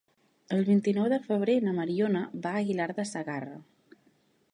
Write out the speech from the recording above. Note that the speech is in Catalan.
El vint-i-nou de febrer na Mariona va a Aguilar de Segarra.